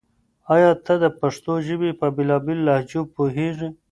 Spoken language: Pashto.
آیا ته د پښتو ژبې په بېلا بېلو لهجو پوهېږې؟